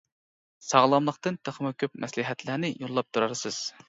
ساغلاملىقتىن تېخىمۇ كۆپ مەسلىھەتلەرنى يوللاپ تۇرارسىز!